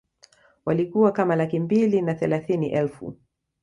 Walikuwa kama laki mbili na thelathini elfu